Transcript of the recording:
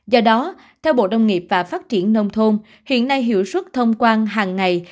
do đó theo bộ nông nghiệp và phát triển nông thôn hiện nay hiệu suất thông quan hàng ngày